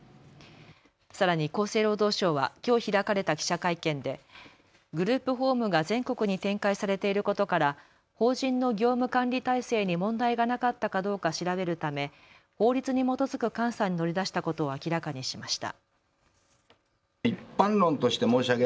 さらに厚生労働省はきょう開かれた記者会見でグループホームが全国に展開されていることから法人の業務管理体制に問題がなかったかどうか調べるため法律に基づく監査に乗り出したことを明らかにしました。